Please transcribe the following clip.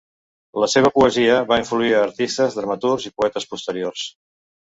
La seva poesia va influir artistes, dramaturgs i poetes posteriors.